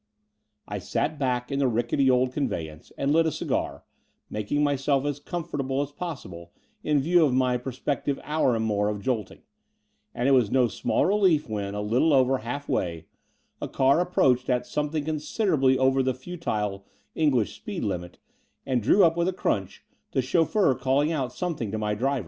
I sat back in the rickety old conveyance and lit a cigar, making myself as comfortable as possible in view of my prospective hour and more of jolting : and it was no small relief when, a little over half way, a car approached at something considerably over the futile English speed limit and drew up with a scrunch, the chauffeur calling out something to my driver.